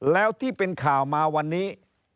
แล้วที่เป็นข่าวมาวันนี้